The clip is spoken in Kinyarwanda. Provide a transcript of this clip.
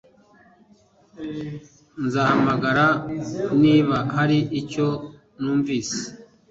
Nzahamagara niba hari icyo numvise